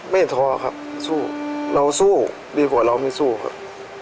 ท้อครับสู้เราสู้ดีกว่าเราไม่สู้ครับ